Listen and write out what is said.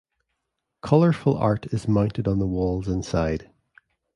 Colourful art is mounted on the walls inside.